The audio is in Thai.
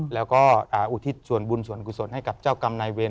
แล้วก็อุทิศส่วนบุญส่วนกุศลให้กับเจ้ากรรมนายเวร